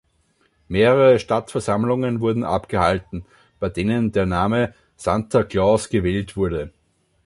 Mehrere Stadtversammlungen wurden abgehalten, bei denen der Name „Santa Claus“ gewählt wurde.